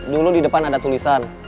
dulu di depan ada tulisan